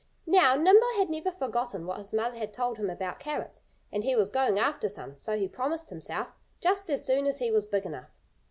Now, Nimble had never forgotten what his mother had told him about carrots. And he was going after some so he promised himself just as soon as he was big enough.